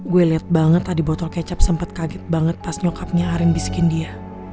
gue liat banget tadi botol kecap sempet kaget banget pas nyokapnya arin biskin dia